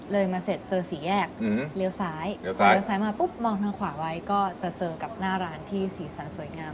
เลยมาเสร็จเจอสี่แยกเลี้ยวซ้ายเลี้ยซ้ายมาปุ๊บมองทางขวาไว้ก็จะเจอกับหน้าร้านที่สีสันสวยงาม